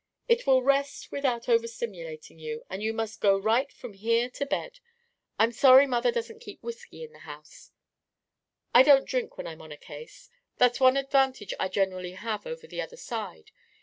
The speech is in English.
It will rest without overstimulating you, and you must go right from here to bed. I'm sorry Mother doesn't keep whisky in the house " "I don't drink when I'm on a case. That's one advantage I generally have over the other side.